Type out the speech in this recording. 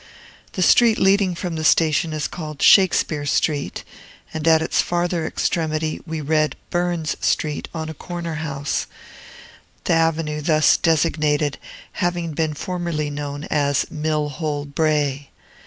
The street leading from the station is called Shakespeare Street; and at its farther extremity we read "Burns Street" on a corner house, the avenue thus designated having been formerly known as "Mill Hole Brae."